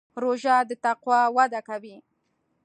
روژه د تقوا وده کوي.